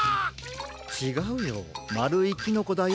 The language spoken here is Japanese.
ちがうよまるいキノコだよ。